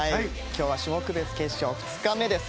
今日は種目別決勝の２日目です。